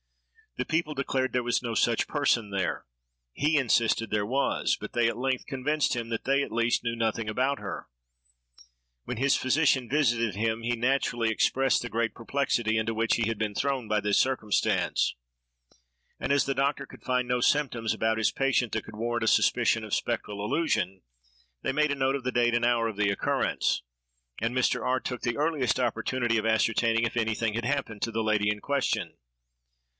The people declared there was no such person there; he insisted there was, but they at length convinced him that they, at least, knew nothing about her. When his physician visited him, he naturally expressed the great perplexity into which he had been thrown by this circumstance; and, as the doctor could find no symptoms about his patient that could warrant a suspicion of spectral illusion, they made a note of the date and hour of the occurrence, and Mr. R—— took the earliest opportunity of ascertaining if anything had happened to the lady in question.